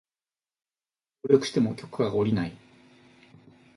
協力しても許可が降りない